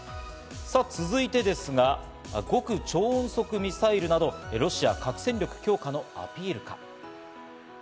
続いてですが、極超音速ミサイルなど、ロシア核戦力強化のアピールか。